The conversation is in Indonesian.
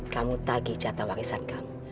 kamu tagih jatah warisan kamu